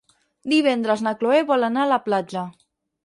Divendres na Cloè vol anar a la platja.